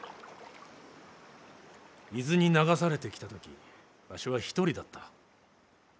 伊豆に流されてきた時わしは一人だった。